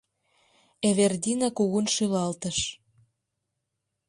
— Эвердина кугун шӱлалтыш.